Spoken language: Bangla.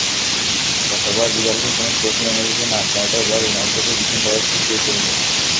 গতবার রিয়ালকে কোনো ট্রফি এনে দিতে না-পারাটা এবার রোনালদোকে ভীষণভাবে ফুঁসিয়ে তুলবে।